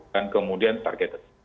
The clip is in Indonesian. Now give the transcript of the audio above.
dan kemudian target